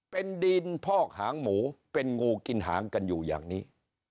เป็นดินพอกหางหมูเป็นงูกินหางกันอยู่อย่างนี้